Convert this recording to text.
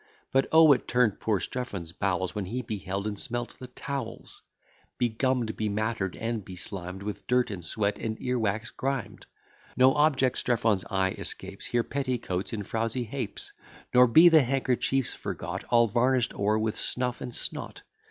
But, oh! it turn'd poor Strephon's bowels When he beheld and smelt the towels, Begumm'd, bematter'd, and beslim'd, With dirt, and sweat, and ear wax grim'd; No object Strephon's eye escapes; Here petticoats in frouzy heaps; Nor be the handkerchiefs forgot, All varnish'd o'er with snuff and snot.